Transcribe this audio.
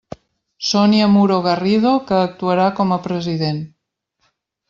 Sònia Muro Garrido, que actuarà com a president.